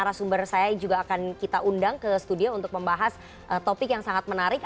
narasumber saya juga akan kita undang ke studio untuk membahas topik yang sangat menarik